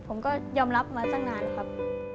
ผมก็ยอมรับมาตั้งนานครับ